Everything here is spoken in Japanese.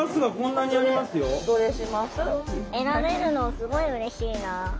選べるのすごいうれしいな。